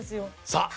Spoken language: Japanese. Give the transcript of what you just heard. さあ